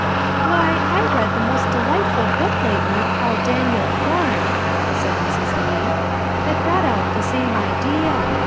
'" "Why, I read a most delightful book lately called 'Daniel Quorm'" said Mrs. Lee, "that brought out the same idea.